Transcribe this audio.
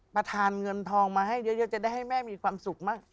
ประธานเงินทองมาให้เยอะจะได้ให้แม่มีความสุขมาก